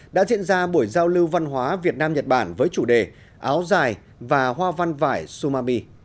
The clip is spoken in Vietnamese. đã diễn ra buổi giao lưu văn hóa việt nam nhật bản với chủ đề áo dài và hoa văn vải sumami